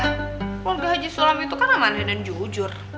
keluarga haji sulam itu kan amanah dan jujur